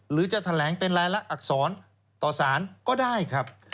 หรือจะแถลงเป็นรายละอักษรต่อสารก็ได้ครับ